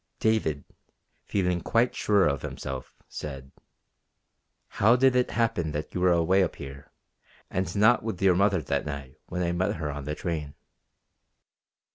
David, feeling quite sure of himself, said: "How did it happen that you were away up here, and not with your mother that night when I met her on the train?"